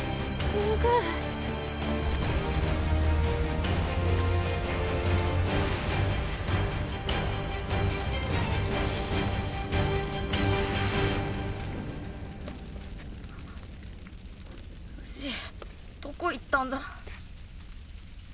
フシどこ行ったんだ。